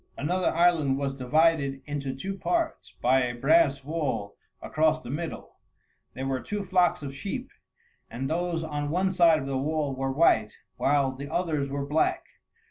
Another island was divided into two parts by a brass wall across the middle. There were two flocks of sheep, and those on one side of the wall were white, while the others were black.